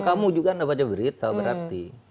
kamu juga nggak baca berita berarti